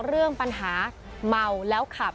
เรื่องปัญหาเมาแล้วขับ